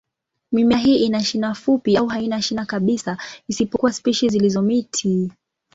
Mimea hii ina shina fupi au haina shina kabisa, isipokuwa spishi zilizo miti.